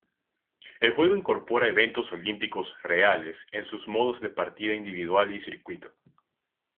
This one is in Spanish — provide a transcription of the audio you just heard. El juego incorpora eventos olímpicos reales en sus modos de Partida individual y Circuito.